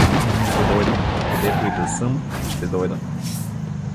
Ще дойда, където и да съм, ще дойда.